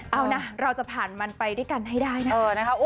เอานะเราจะผ่านมันไปด้วยกันให้ได้นะคะ